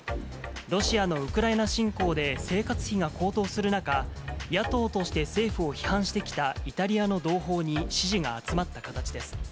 ロシアのウクライナ侵攻で生活費が高騰する中、野党として政府を批判してきたイタリアの同胞に支持が集まった形です。